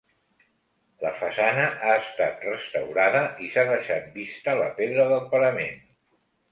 La façana ha estat restaurada i s'ha deixat vista la pedra del parament.